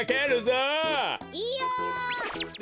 いいよ！